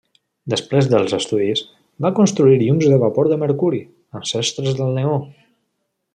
Després dels estudis, va construir llums de vapor de mercuri, ancestres del neó.